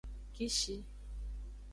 Kishi.